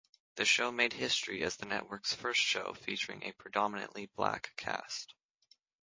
The show made history as the network's first show featuring a predominantly black cast.